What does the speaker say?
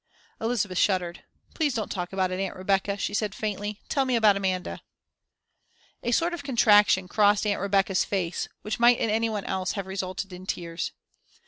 Elizabeth shuddered. "Please don't talk about it, Aunt Rebecca," she said, faintly. "Tell me about Amanda." A sort of contraction crossed Aunt Rebecca's face, which might in any one else, have resulted in tears.